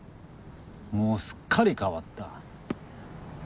もうすっかり変わった。